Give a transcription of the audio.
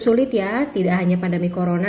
sulit ya tidak hanya pandemi corona